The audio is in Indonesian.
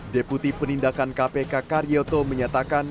deputi penindakan kpk karyoto menyatakan